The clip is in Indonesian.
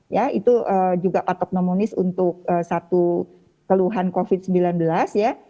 ya itu juga patok nomonis untuk satu keluhan covid sembilan belas ya